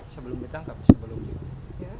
sebelum ditangkap sebelum itu